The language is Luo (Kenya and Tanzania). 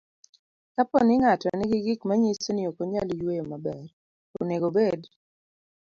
Kapo ni ng'ato nigi gik manyiso ni ok onyal yueyo maber, onego obed